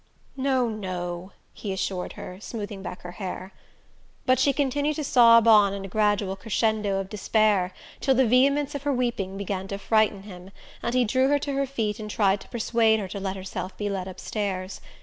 "No, no," he assured her, smoothing back her hair. But she continued to sob on in a gradual crescendo of despair, till the vehemence of her weeping began to frighten him, and he drew her to her feet and tried to persuade her to let herself be led upstairs.